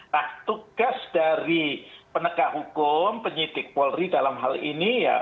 nah tugas dari penegak hukum penyidik polri dalam hal ini ya